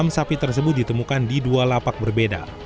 enam sapi tersebut ditemukan di dua lapak berbeda